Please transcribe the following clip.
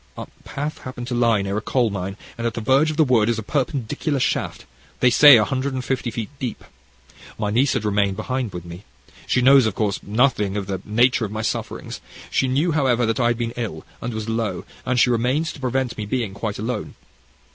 Our path happened to lie near a coal mine, and at the verge of the wood is a perpendicular shaft, they say, a hundred and fifty feet deep. My niece had remained behind with me she knows, of course nothing of the nature of my sufferings. She knew, however, that I had been ill, and was low, and she remained to prevent my being quite alone.